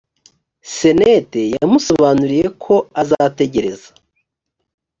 senete yamusobanuriye ko azategereza